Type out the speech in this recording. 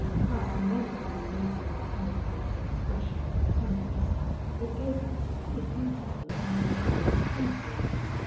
"Passing over the usual commonplace expressions of tenderness, it gave a particular detail of my rival's promises.